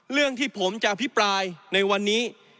เรื่องที่ผมจะอภิปรายในวันนี้